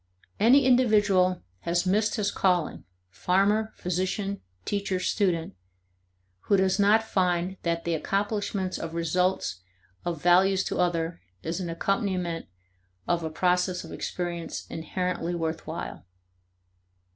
Any individual has missed his calling, farmer, physician, teacher, student, who does not find that the accomplishments of results of value to others is an accompaniment of a process of experience inherently worth while.